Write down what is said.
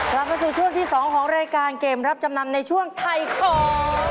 กลับมาสู่ช่วงที่๒ของรายการเกมรับจำนำในช่วงไทยของ